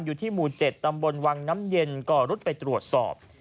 อยู่ที่หมู่๗ตำบลวังน้ำเย็นก่อรุดไปตรวจสอบ